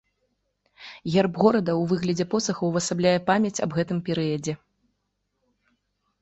Герб горада ў выглядзе посаха ўвасабляе памяць аб гэтым перыядзе.